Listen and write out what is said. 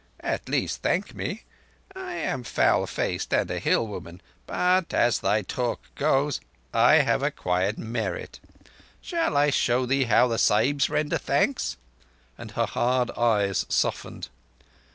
"At least, thank me. I am foul faced and a hillwoman, but, as thy talk goes, I have acquired merit. Shall I show thee how the Sahibs render thanks?" and her hard eyes softened.